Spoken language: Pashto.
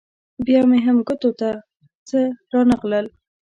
بیا مې هم ګوتو ته څه رانه غلل.